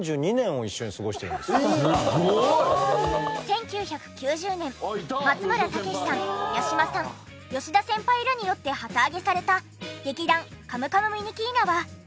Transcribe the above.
すごい！１９９０年松村武さん八嶋さん吉田先輩らによって旗揚げされた劇団カムカムミニキーナは。